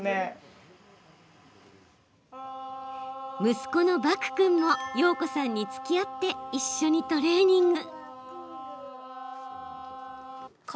息子の麦君も曜子さんにつきあって一緒にトレーニング。